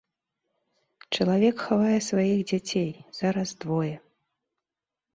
Чалавек хавае сваіх дзяцей, зараз двое.